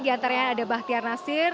di antaranya ada bahtiar nasir